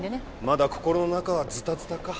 まだ心の中はずたずたか。